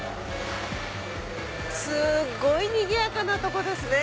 すっごいにぎやかなとこですね